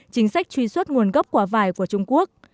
chính sách truy xuất nguồn gốc quả vải của trung quốc